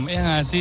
ya gak sih